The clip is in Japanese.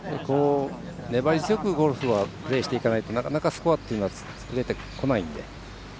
粘り強くゴルフはプレーしていかないとなかなかスコアというのは出てこないので。